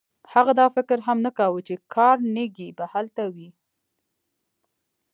هغه دا فکر هم نه کاوه چې کارنګي به هلته وي.